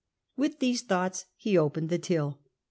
With these thoughts he opened the till.